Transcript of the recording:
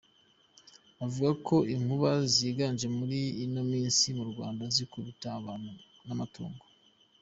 Avuga ko inkuba ziganje muri ino minsi mu Rwanda zikubita abantu n’amatungo.